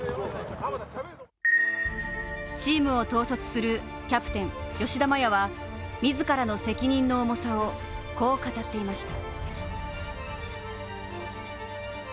チームを統率するキャプテン・吉田麻也は自らの責任の重さをこう語っていました。